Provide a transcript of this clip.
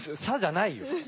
「さっ」じゃないよ！